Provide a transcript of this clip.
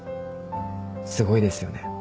すごいですよね。